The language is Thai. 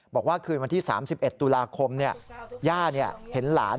บอกว่าคืนวันที่๓๑ตุลาคมเนี่ยย่าเนี่ยเห็นหลาน